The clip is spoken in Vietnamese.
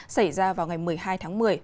xảy ra vào ngày một mươi hai tháng một mươi